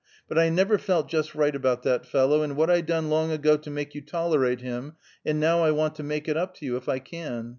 But I never felt just righte about that fellow, and what I done long ago to make you tollerate him, and now I want to make it up to you if I can.